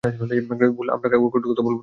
ডন, আমরা কাউকে কটু কথা বলব না!